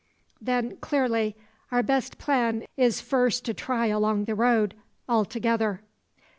"Then, clearly, our best plan is first to try along the road all together."